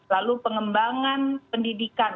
lalu pengembangan pendidikan